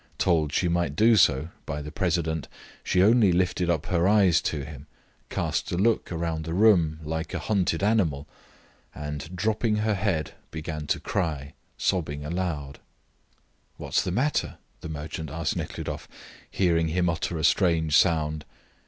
Told she might do so by the president, she only lifted her eyes to him, cast a look round the room like a hunted animal, and, dropping her head, began to cry, sobbing aloud. "What is the matter?" the merchant asked Nekhludoff, hearing him utter a strange sound.